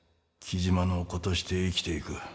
雉真の子として生きていく。